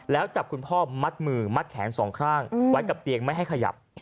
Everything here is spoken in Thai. แล้วจับคุณพ่อมัดมือมัดแขนสองข้างไว้กับเตียงไม่ให้ขยับ